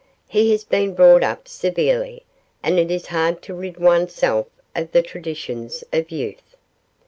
'He has been brought up severely, and it is hard to rid oneself of the traditions of youth.